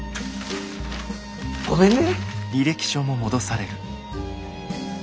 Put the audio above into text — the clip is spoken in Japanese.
ごめんね！